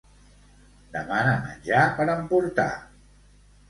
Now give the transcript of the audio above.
Demana menjar per emportar.